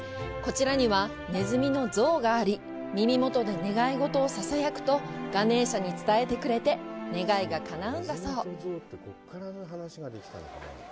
こちらにはネズミの像があり、耳元で願い事をささやくと、ガネーシャに伝えてくれ、願いがかなうんだそう。